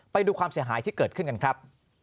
ไปดูความเสียหายที่เกิดขึ้นกันครับ